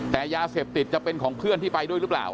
แต่ยาเสพติดจะเป็นของเพื่อนที่ไปด้วยหรือเปล่า